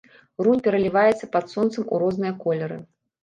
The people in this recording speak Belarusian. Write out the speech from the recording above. Рунь пераліваецца пад сонцам у розныя колеры.